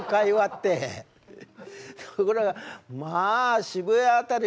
ところがまあ渋谷辺りのね